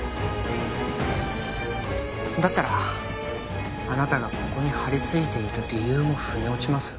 だったらあなたがここに張りついている理由も腑に落ちます。